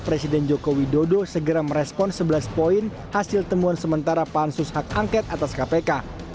presiden joko widodo segera merespon sebelas poin hasil temuan sementara pansus hak angket atas kpk